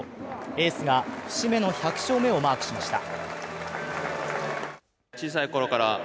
エースが節目の１００勝目をマークしました。